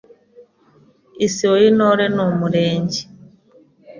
Isibo y’Intore ni Umurenge